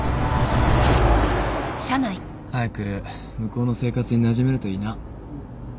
早く向こうの生活になじめるといいな